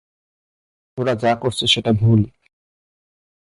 ওরা যা করেছে সেটা ভুল।